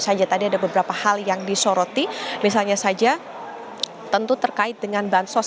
saja tadi ada beberapa hal yang disoroti misalnya saja tentu terkait dengan bansos